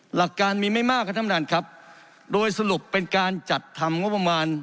หลักการมีไม่มากครับท่านประธานครับโดยสรุปเป็นการจัดทำงบประมาณ